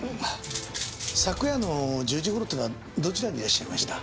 昨夜の１０時頃っていうのはどちらにいらっしゃいました？